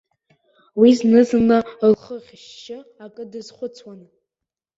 Уи зны-зынла лхы хьышьшьы акы дазхәыцуан.